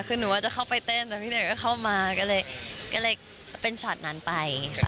คือหนูว่าจะเข้าไปเต้นแล้วพี่เดชก็เข้ามาก็เลยเป็นช็อตนั้นไปค่ะ